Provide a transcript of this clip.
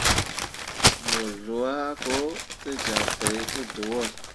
Mo lwa ko te ja bai ne dəwor.